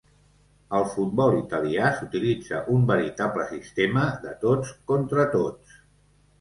Al futbol italià, s'utilitza un veritable sistema de tots contra tots.